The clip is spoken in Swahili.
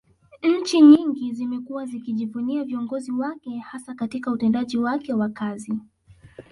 Nchi nyingi zimekuwa zikijivunia viongozi wake hasa Katika utendaji wake wa kazi